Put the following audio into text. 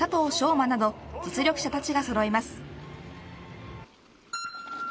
馬など実力者たちがそろいます。